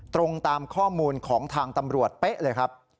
ตรงตามข้อมูลของทางตำรวจเป๊ะเลยครับ